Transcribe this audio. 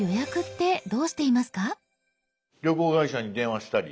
旅行会社に電話したり。